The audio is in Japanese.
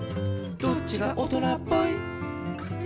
「どっちが大人っぽい？」